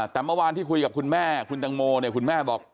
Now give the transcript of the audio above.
แต่เมื่อวานที่คุยกับคุณแม่คุณตังโมเนี่ยคุณแม่บอก